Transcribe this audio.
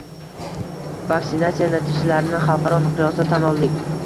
Vaksinatsiya natijalarini xalqaro miqyosda tan oldik